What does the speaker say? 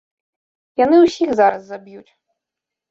Яны ўсіх зараз заб'юць.